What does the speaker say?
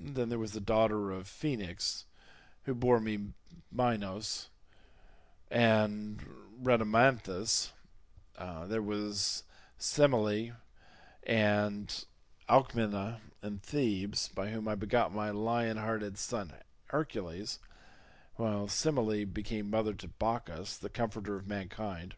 Then there was the daughter of Phoenix, who bore me Minos and Rhadamanthus: there was Semele, and Alcmena in Thebes by whom I begot my lion hearted son Hercules, while Semele became mother to Bacchus the comforter of mankind.